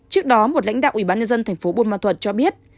trước đó một lãnh đạo ủy ban nhân dân thành phố buôn ma thuật cho biết